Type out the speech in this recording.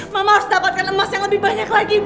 mama harus dapatkan emas yang lebih banyak lagi